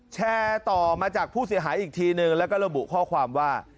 แชร์ต่อมาจากผู้เสียหายอีกทีนึงแล้วก็ระบุข้อความว่า